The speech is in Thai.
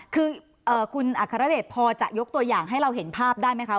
คือคุณอัครเดชพอจะยกตัวอย่างให้เราเห็นภาพได้ไหมคะ